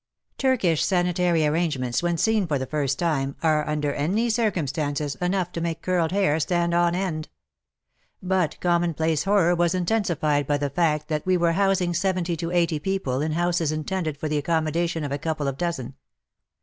Turkish sanitary arrange ments, when seen for the first time, are, under any circumstances, enough to make curled hair stand on end. But commonplace horror was in tensified by the fact that we were housing seventy to eighty people in houses intended for the ac commodation of a couple of dozen.